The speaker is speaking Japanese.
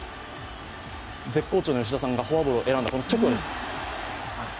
絶好調の吉田さんがフォアボールを選んだ直後です。